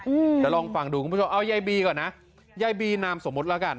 อืมเดี๋ยวลองฟังดูคุณผู้ชมเอายายบีก่อนนะยายบีนามสมมุติแล้วกัน